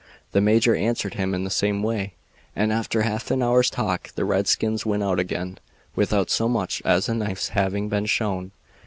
The major answered him in the same way, and after half an hour's talk the redskins went out again without so much as a knife having been shown.